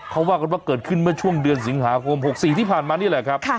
เขาว่ากันว่าเกิดขึ้นเมื่อช่วงเดือนสิงหาคม๖๔ที่ผ่านมานี่แหละครับ